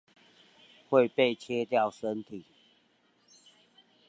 會被切掉身體